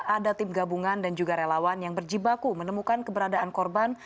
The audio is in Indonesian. ada tim gabungan dan juga relawan yang berjibaku menemukan keberadaan korban